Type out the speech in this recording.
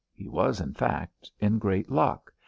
He was, in fact, in great luck.